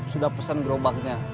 sudah pesen gerobaknya